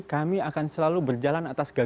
kami akan selalu berjalan atas gagasan